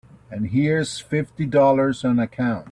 And here's fifty dollars on account.